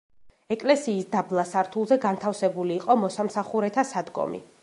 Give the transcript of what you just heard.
ეკლესიის დაბლა სართულზე განთავსებული იყო მოსამსახურეთა სადგომი.